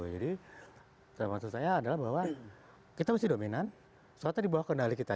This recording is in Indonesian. jadi soal maksud saya adalah bahwa kita mesti dominan swasta di bawah kendali kita